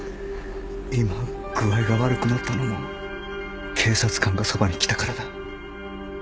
今具合が悪くなったのも警察官がそばに来たからだ。